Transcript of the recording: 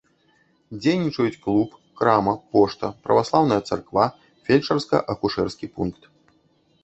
Дзейнічаюць клуб, крама, пошта, праваслаўная царква, фельчарска-акушэрскі пункт.